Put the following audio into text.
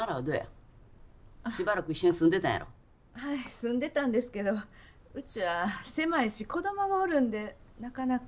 住んでたんですけどうちは狭いし子どもがおるんでなかなか。